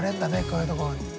こういうところで。